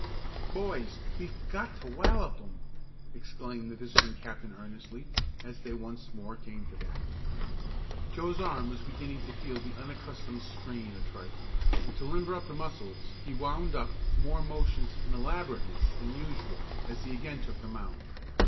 "Boys, we've got to wallop 'em!" exclaimed the visiting captain earnestly, as they once more came to bat. Joe's arm was beginning to feel the unaccustomed strain a trifle, and to limber up the muscles he "wound up" with more motions and elaborateness than usual as he again took the mound.